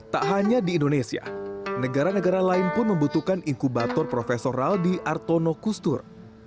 tak hanya di indonesia negara negara lain pun membutuhkan inkubator prof raldi artono kustur